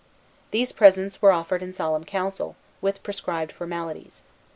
These presents were offered in solemn council, with prescribed formalities.